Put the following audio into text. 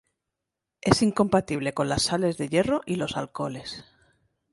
Es incompatible con las sales de hierro y los alcoholes.